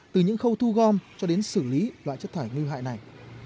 từ những khâu thu gom cho đến xử lý loại chất thải nguy hại này